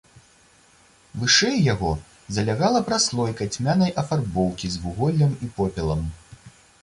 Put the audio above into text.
Вышэй яго залягала праслойка цьмянай афарбоўкі з вуголлем і попелам.